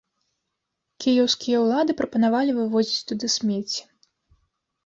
Кіеўскія ўлады прапанавалі вывозіць туды смецце.